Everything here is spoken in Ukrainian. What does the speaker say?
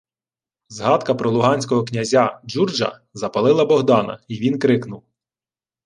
Згадка про луганського князя Джурджа запалила Богдана, й він крикнув: